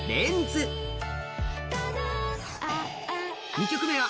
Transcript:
２曲目は